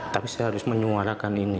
tapi saya harus menyuarakan ini